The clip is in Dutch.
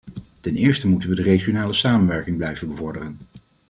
Ten eerste moeten we de regionale samenwerking blijven bevorderen.